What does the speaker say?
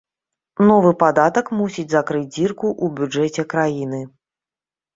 Новы падатак мусіць закрыць дзірку ў бюджэце краіны.